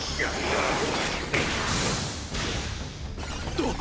あっ！